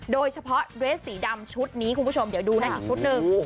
โดยเฉพาะเรสสีดำชุดนี้คุณผู้ชมเดี๋ยวดูนะอีกชุดหนึ่ง